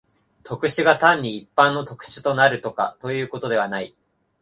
特殊が単に一般の特殊となるとかいうことではない。